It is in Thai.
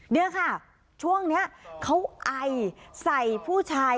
เดี๋ยวค่ะช่วงเนี้ยเขาไอใส่ผู้ชาย